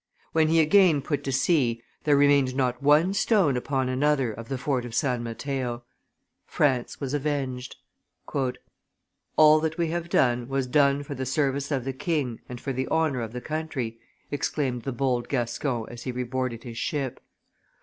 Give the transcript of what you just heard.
When he again put to sea, there remained not one stone upon another of the fort of San Mateo. France was avenged. "All that we have done was done for the service of the king and for the honor of the country," exclaimed the bold Gascon as he re boarded his ship.